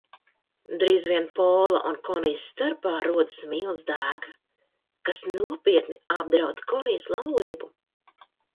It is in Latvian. Drīz vien Pola un Konijas starpā rodas mīlas dēka, kas nopietni apdraud Konijas laulību.